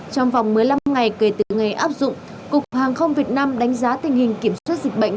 trong vòng một mươi năm ngày kể từ ngày áp dụng cục hàng không việt nam đánh giá tình hình kiểm soát dịch bệnh